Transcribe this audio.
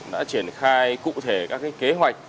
đã triển khai cụ thể các cái kế hoạch